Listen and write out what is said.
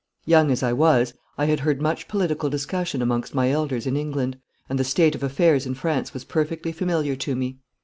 Young as I was, I had heard much political discussion amongst my elders in England, and the state of affairs in France was perfectly familiar to me.